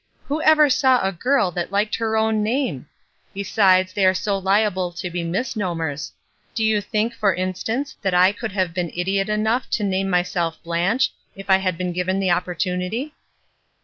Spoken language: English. Who ever saw a girl that liked her own name ? Besides, they are so liable to be misnomers. Do you think, for instance, that I could have been idiot enough to name myself 'Blanche' if I had been given the opportunity?"